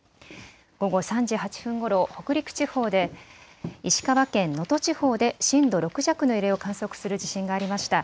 午後３時８分ごろ北陸地方で、石川県能登地方で震度６弱の揺れを観測する地震がありました。